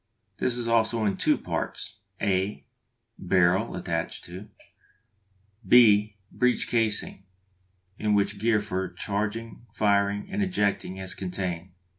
This is also in two parts: (a) barrel, attached to (b) breech casing, in which gear for charging, firing, and ejecting is contained.